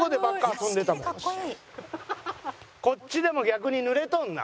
こっちでも逆に濡れとんな！